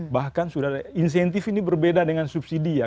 bahkan sudah ada insentif ini berbeda dengan subsidi ya